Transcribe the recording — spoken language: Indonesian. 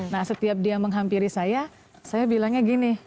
nah setiap dia menghampiri saya saya bilangnya gini